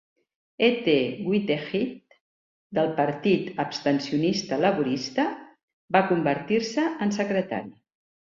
E. T. Whitehead, del Partit abstencionista laborista, va convertir-se en secretari.